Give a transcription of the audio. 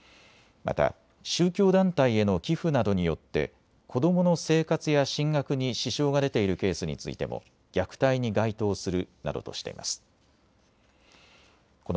また宗教団体への寄付などによって子どもの生活や進学に支障が出ているケースについても虐待に該当するなどとしています。